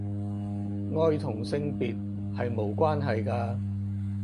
愛同性別係無關係㗎